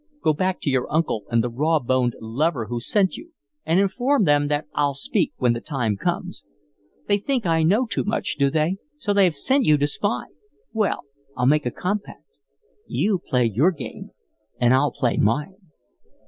Go back to the uncle and the rawboned lover who sent you, and inform them that I'll speak when the time comes. They think I know too much, do they? so they've sent you to spy? Well, I'll make a compact. You play your game and I'll play mine.